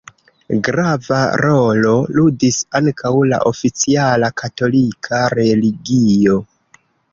Grava rolo ludis ankaŭ la oficiala katolika religio.